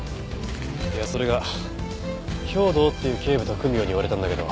いやそれが兵藤っていう警部と組むように言われたんだけど。